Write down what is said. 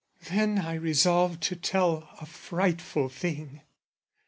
Then I resolved to tell a frightful thing.